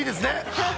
はい。